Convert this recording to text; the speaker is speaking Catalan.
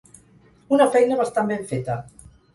Una feina bastant ben feta.